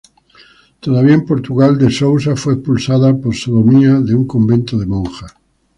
Todavía en Portugal, De Sousa fue expulsada por sodomía de un convento de monjas.